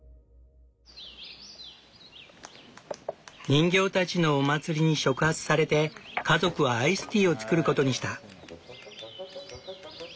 人形たちのお祭りに触発されて家族はアイスティーを作ることにした。